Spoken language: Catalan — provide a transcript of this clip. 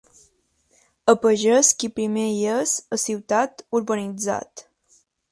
A pagès qui primer hi és, a ciutat, urbanitzat.